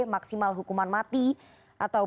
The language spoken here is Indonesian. maksimal hukuman mati atau